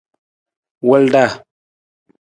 Wulda.